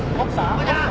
おばちゃん！